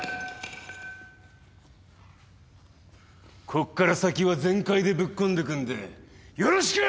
こっから先は全開でぶっ込んでくんでよろしく！